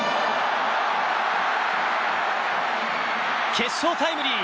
決勝タイムリー！